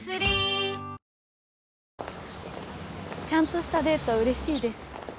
ちゃんとしたデートうれしいです。